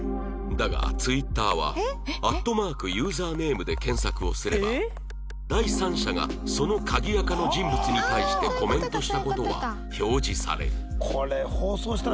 だがツイッターは「＠ユーザーネーム」で検索をすれば第三者がその鍵アカの人物に対してコメントした事は表示される